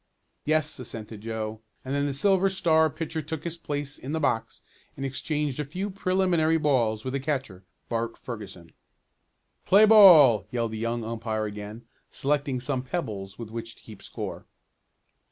"Yes," assented Joe, and then the Silver Star pitcher took his place in the box and exchanged a few preliminary balls with the catcher, Bart Ferguson. "Play ball!" yelled the young umpire again, selecting some pebbles with which to keep score.